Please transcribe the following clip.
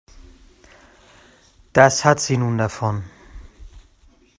Das hat sie nun davon.